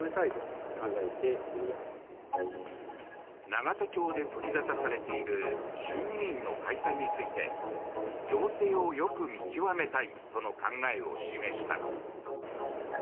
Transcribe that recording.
永田町で取りざたされている衆議院の解散について情勢をよく見極めたいとの考えを示した。